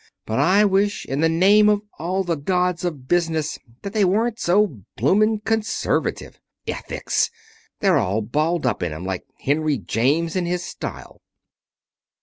But I wish in the name of all the gods of Business that they weren't so bloomin' conservative. Ethics! They're all balled up in 'em, like Henry James in his style."